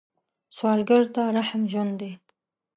سوالګر ته رحم ژوند دی